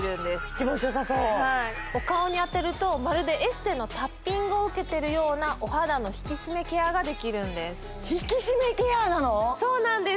気持ちよさそうお顔に当てるとまるでエステのタッピングを受けているようなお肌の引き締めケアができるんですそうなんです